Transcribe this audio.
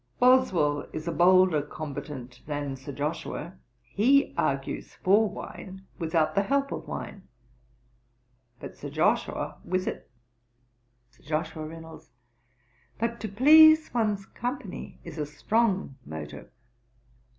'Boswell is a bolder combatant than Sir Joshua: he argues for wine without the help of wine; but Sir Joshua with it.' SIR JOSHUA REYNOLDS. 'But to please one's company is a strong motive.'